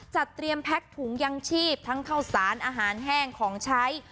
จัดเตรียมแพ็คถุงยังชีพทั้งข้าวสารอาหารแห้งของใช้